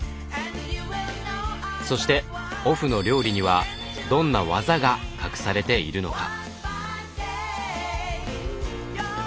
そしてオフの料理にはどんな技が隠されているのか？